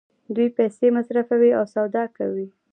دوی پیسې مصرفوي او سودا کوي.